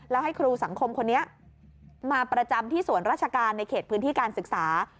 แล้วให้ครูสังคมคนนี้มาประจำที่สวนราชการในเขตพื้นที่การศึกษา